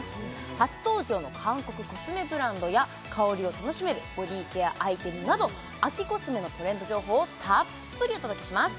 初登場の韓国コスメブランドや香りを楽しめるボディーケアアイテムなど秋コスメのトレンド情報をたっぷりお届けします！